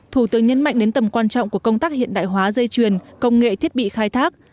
thủ tướng nhấn mạnh đến tầm quan trọng của công tác hiện đại hóa dây chuyền công nghệ thiết bị khai thác